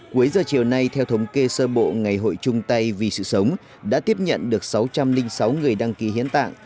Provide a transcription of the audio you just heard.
cuối giờ chiều nay theo thống kê sơ bộ ngày hội trung tây vì sự sống đã tiếp nhận được sáu trăm linh sáu người đăng ký hiến tạng